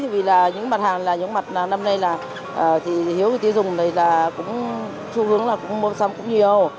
vì những mặt hàng năm nay hiếu tiêu dùng này xu hướng là mua xong cũng nhiều